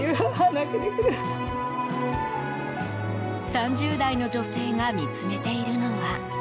３０代の女性が見つめているのは。